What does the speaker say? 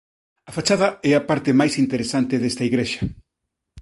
A fachada é a parte máis interesante desta igrexa.